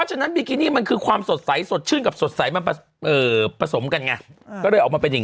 คืนมันคือความสดใสสดขึ้นกับสดใสมาเติมเปราะสมกันไงก็เลยออกมาเป็นอย่าง